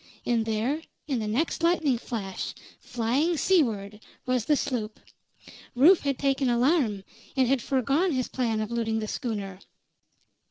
And there, in the next lightning flash, flying seaward, was the sloop. Rufe had taken alarm, and had foregone his plan of looting the schooner.